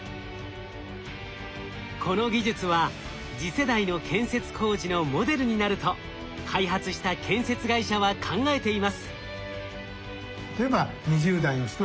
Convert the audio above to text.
この技術は次世代の建設工事のモデルになると開発した建設会社は考えています。